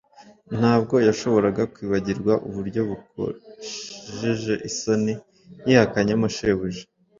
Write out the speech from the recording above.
Ntabwo yashoboraga kwibagirwa uburyo bukojeje isoni yihakanyemo Shebuja.